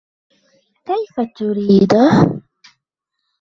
كيف تريده ؟